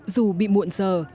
dù bị muộn sạch